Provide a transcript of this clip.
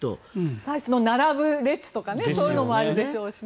最初の並ぶ列とかそういうのもあるでしょうしね。